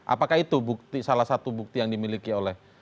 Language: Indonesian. apakah itu salah satu bukti yang dimiliki oleh